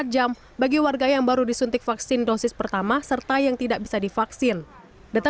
empat jam bagi warga yang baru disuntik vaksin dosis pertama serta yang tidak bisa divaksin data